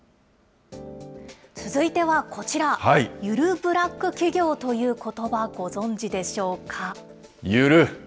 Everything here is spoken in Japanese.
続いてはこちら、ゆるブラック企業ということば、ご存じでしょうか？